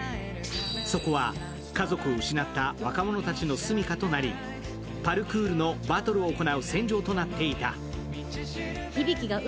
そこは家族を失った若者たちのすみかとなりパルクールのバトルを行う戦場となっていた。